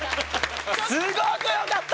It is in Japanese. すごく良かった！